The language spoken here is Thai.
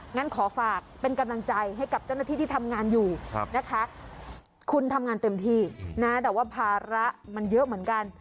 งั้นขอฝากเป็นกำลังใจให้กับเจ้าหน้าที่ที่ทำงานอยู่นะคะคุณทำงานเต็มที่นะแต่ว่าภาระมันเยอะเหมือนกัน